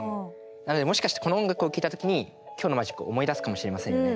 なのでもしかしてこの音楽を聴いた時に今日のマジックを思い出すかもしれませんね。